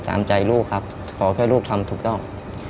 ตามใจลูกครับขอแค่ลูกทำถูกต้อง